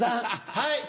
はい。